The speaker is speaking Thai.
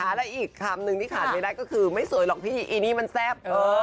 อะไรอีกคำนึงที่ขันให้ได้ก็คือไม่รอกดับพี่เอ็นี่มั้นแซ่บ